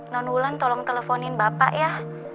non ulan tolong teleponin bapak ya